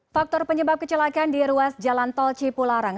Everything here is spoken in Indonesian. faktor penyebab kecelakaan di ruas jalan tol cipularang